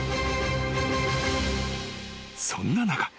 ［そんな中］